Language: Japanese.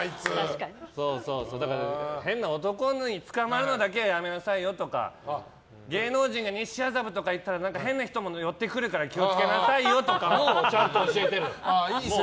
だから、変な男につかまるのだけはやめなさいよとか芸能人が西麻布とか行ったら変な人も寄ってくるから気をつけなさいとかもちゃんと教えてる。